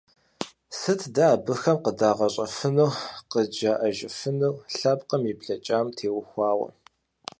Сыт дэ абыхэм къыдагъэщӀэфэнур, къыджаӀэжыфынур лъэпкъым и блэкӀам теухуауэ?